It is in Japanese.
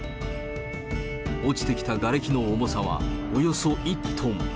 落ちてきたがれきの重さは、およそ１トン。